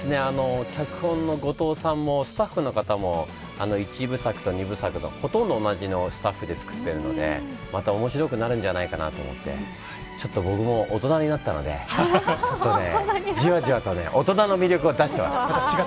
脚本のゴトウさんもスタッフの方も１部作と２部作とほとんど同じスタッフでつくっているのでまた面白くなるんじゃないかなと思ってちょっと僕も、大人になったのでじわじわと大人の魅力を出してます。